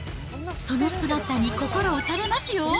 その姿に心打たれますよ。